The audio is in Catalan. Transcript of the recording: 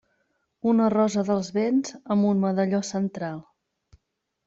Una rosa dels vents amb un medalló central.